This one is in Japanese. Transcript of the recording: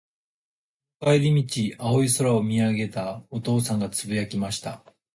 その帰り道、青い空を見上げたお父さんが、つぶやきました。